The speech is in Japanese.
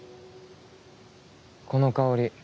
この香り。